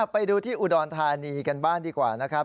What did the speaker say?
ไปดูที่อุดรธานีกันบ้างดีกว่านะครับ